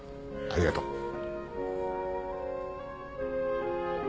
ありがとう。